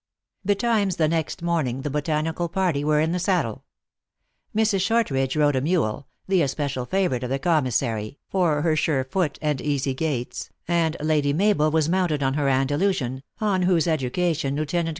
BETIMES the next morning the botanical party were in the saddle. Mrs. Shortridge rode a mule, the es pecial favorite of the commissary, for her sure foot and easy gaits, and Lady Mabel was mounted on her Andalusian, on whose education Lieut.